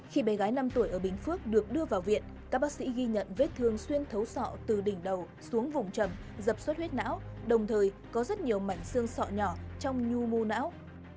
khi bé gái năm tuổi ở bình phước được đưa vào viện các bác sĩ ghi nhận vết thương thấu sọ từ đỉnh đầu xuống vùng trầm dập suất huyết não đồng thời có rất nhiều mảnh xương sọ nhỏ trong nhu mô não